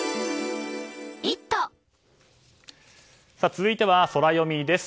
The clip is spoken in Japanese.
続いては、ソラよみです。